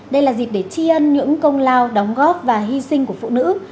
đây là dịp để tri ân những công lao đóng góp và hy sinh của phụ nữ